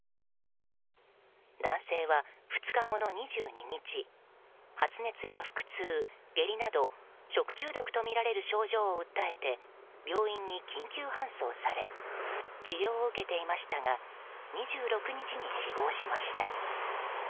男性は２日後の２２日発熱や腹痛、下痢など食中毒とみられる症状を訴えて病院に緊急搬送され治療を受けていましたが２６日に死亡しました。